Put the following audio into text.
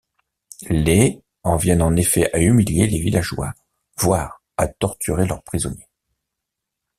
Les en viennent en effet à humilier les villageois, voire à torturer leurs prisonniers.